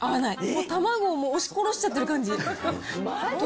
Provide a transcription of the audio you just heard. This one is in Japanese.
もう卵を押し殺しちゃってる感じ。